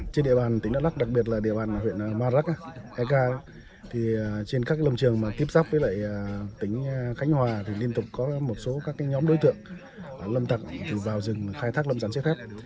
các lâm trường tiếp sắp với tỉnh khánh hòa liên tục có một số nhóm đối tượng lâm tặc vào rừng khai thác lâm sản xếp phép